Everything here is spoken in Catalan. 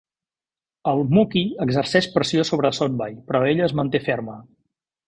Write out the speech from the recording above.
El "mukhi" exerceix pressió sobre Sonbai però ella es manté ferma.